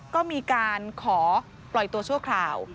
ก็มีการขอปล่อยตัวชั่วคราว